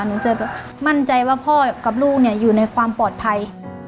หนูจะมั่นใจว่าพ่อกับลูกอยู่ในความปลอดภัย